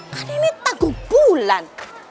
kan ini tanggung bulan